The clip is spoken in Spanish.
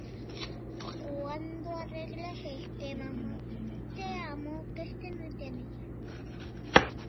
Se encuentra bajo la jurisdicción del municipio de Olmeda del Rey.